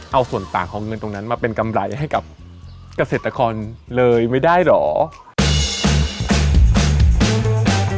เอาส่วนต่างของเงินตรงนั้นมาเป็นกำไรให้กับเกษตรกรเลยไม่ได้เหรอ